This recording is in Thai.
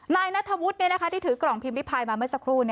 นายนัทธวุฒิที่ถือกล่องพิมพิพายมาเมื่อสักครู่